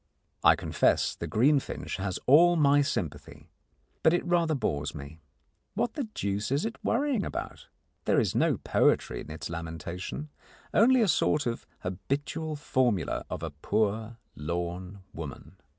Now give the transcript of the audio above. I confess the greenfinch has all my sympathy, but it rather bores me. What the deuce is it worrying about? There is no poetry in its lamentation only a sort of habitual formula of a poor, lorn woman.